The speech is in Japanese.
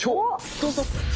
どうぞ。